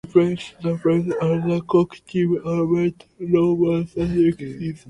The club was replaced by another Cork team, Albert Rovers the next season.